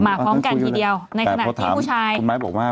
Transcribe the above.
พร้อมกันทีเดียวในขณะที่ผู้ชายคุณไม้บอกว่า